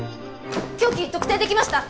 凶器特定できました！